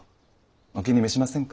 お気に召しませんか？